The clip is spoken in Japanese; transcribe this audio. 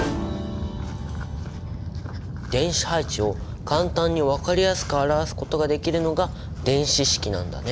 電子配置を簡単に分かりやすく表すことができるのが電子式なんだね。